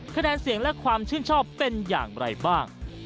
คะแนนเสียงและความชื่นชอบเป็นอย่างไรบ้าง